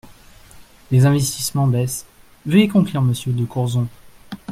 Les investissements baissent… Veuillez conclure, monsieur de Courson.